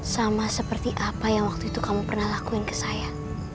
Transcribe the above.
sama seperti apa yang waktu itu kamu pernah lakuin ke saya